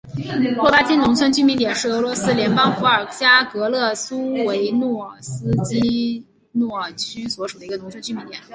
洛巴金农村居民点是俄罗斯联邦伏尔加格勒州苏罗维基诺区所属的一个农村居民点。